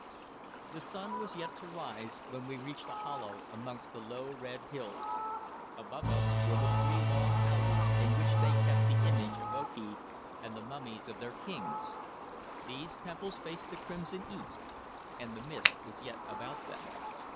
The sun was yet to rise when we reached a hollow amongst the low red hills. Above us were the three long houses in which they keep the image of Okee and the mummies of their kings. These temples faced the crimson east, and the mist was yet about them.